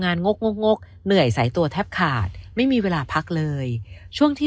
งกงกงกเหนื่อยสายตัวแทบขาดไม่มีเวลาพักเลยช่วงที่